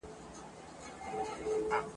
تر سفر مخکي د مرګ په خوله کي بند وو ..